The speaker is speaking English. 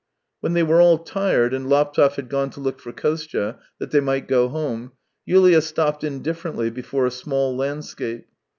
When they were all tired and Laptev had gone to look for Kostya. that they might go home, Yulia stopped indifferently before a small land scape.